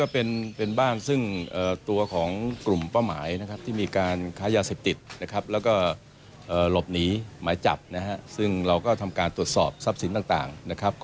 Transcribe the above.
เป็นผู้หาที่มีหมายจับนะครับ